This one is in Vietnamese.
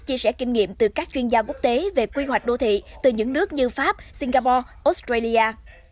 chia sẻ kinh nghiệm từ các chuyên gia quốc tế về quy hoạch đô thị từ những nước như pháp singapore australia